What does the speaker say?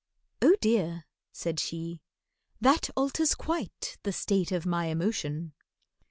"Oh dear," said she, "that alters quite The state of my emotion."